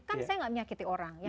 kan saya gak menyakiti orang